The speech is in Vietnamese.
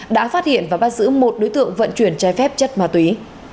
đã phát hiện và bắt giữ một đối tượng vận chuyển trái phép chất ma túy